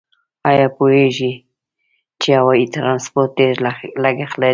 آیا پوهیږئ چې هوایي ترانسپورت ډېر لګښت لري؟